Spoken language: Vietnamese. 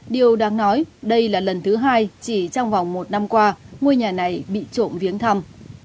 điều đáng nói đây là lần thứ hai chỉ trong vòng một năm qua ngôi nhà này bị trộm viếng thăm